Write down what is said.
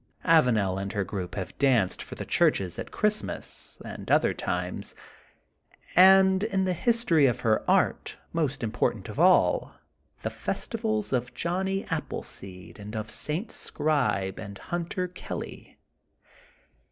Avanel and her group have danced for the Churches at Christmas and other times, and, in the history of her art most important of all, the festivals of Johnny Applesed, and of; St. Scribe and Hunter Kelly.